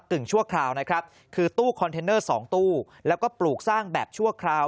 ชั่วคราวนะครับคือตู้คอนเทนเนอร์๒ตู้แล้วก็ปลูกสร้างแบบชั่วคราว